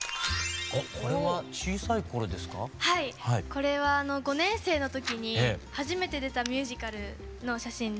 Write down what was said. これは５年生の時に初めて出たミュージカルの写真で。